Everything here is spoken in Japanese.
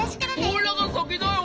おいらがさきだよ。